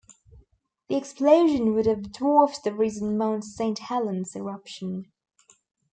The explosion would have dwarfed the recent Mount Saint Helens eruption.